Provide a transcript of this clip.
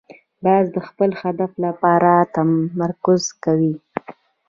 باز د خپل هدف لپاره تمرکز کوي